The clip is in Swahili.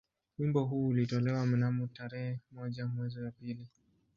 Wimbo huu ulitolewa mnamo tarehe moja mwezi wa pili